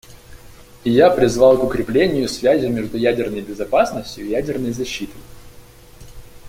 И я призвал к укреплению связи между ядерной безопасностью и ядерной защитой.